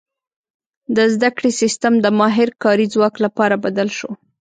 • د زده کړې سیستم د ماهر کاري ځواک لپاره بدل شو.